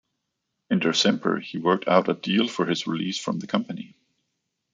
In December, he worked out a deal for his release from the company.